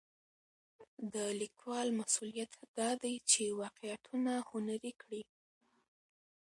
د لیکوال مسوولیت دا دی چې واقعیتونه هنري کړي.